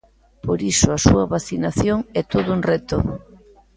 Por iso a súa vacinación é todo un reto.